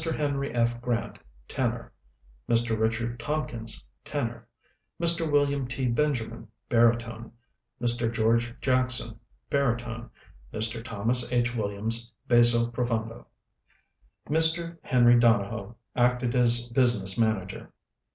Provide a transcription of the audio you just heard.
HENRY F. GRANT Tenor. MR. RICHARD TOMPKINS Tenor. MR. WILLIAM T. BENJAMIN Baritone. MR. GEORGE JACKSON Baritone. MR. THOMAS H. WILLIAMS Basso profundo. Mr. Henry Donohoe acted as business manager.